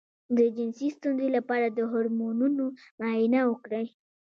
د جنسي ستونزې لپاره د هورمونونو معاینه وکړئ